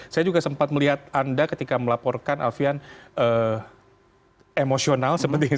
saya juga sempat melihat anda ketika melaporkan alfian emosional seperti itu